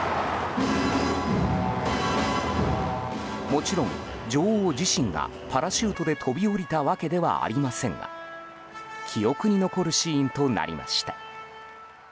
もちろん、女王自身がパラシュートで飛び降りたわけではありませんが記憶に残るシーンとなりました。